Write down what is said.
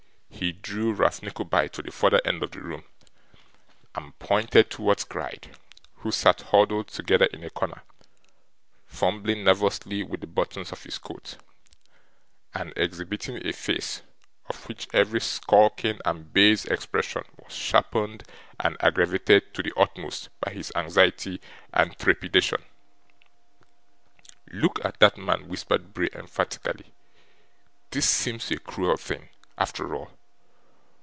He drew Ralph Nickleby to the further end of the room, and pointed towards Gride, who sat huddled together in a corner, fumbling nervously with the buttons of his coat, and exhibiting a face, of which every skulking and base expression was sharpened and aggravated to the utmost by his anxiety and trepidation. 'Look at that man,' whispered Bray, emphatically. 'This seems a cruel thing, after all.